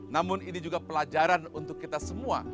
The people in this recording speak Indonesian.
namun ini juga pelajaran untuk kita semua